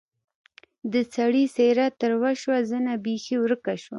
د سړي څېره تروه شوه زنه بېخي ورکه شوه.